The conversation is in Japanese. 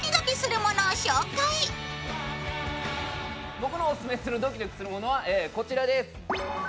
僕のオススメするドキドキするものはこちらです。